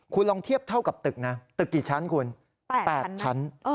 คุณลองเทียบเท่ากับตึกนะตึกกี่ชั้นคุณ๘ชั้น